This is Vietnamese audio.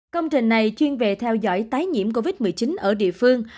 công trình này chuyên về theo dõi tái nhiễm covid một mươi chín ở địa phương